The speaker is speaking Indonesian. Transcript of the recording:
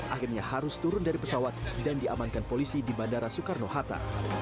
akhirnya harus turun dari pesawat dan diamankan polisi di bandara soekarno hatta